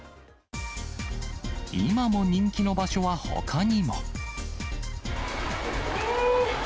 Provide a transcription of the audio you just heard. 今も人気の場所はほかにも。